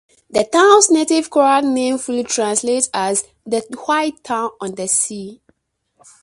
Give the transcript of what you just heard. The town's native Croat name fully translates as "the white town on the sea".